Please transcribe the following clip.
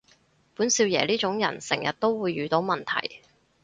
本少爺呢種人成日都會遇到問題